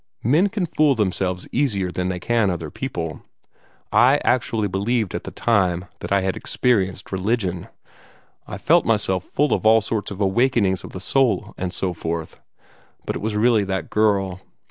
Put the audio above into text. Men can fool themselves easier than they can other people. I actually believed at the time that I had experienced religion. I felt myself full of all sorts of awakenings of the soul and so forth. But it was really that girl.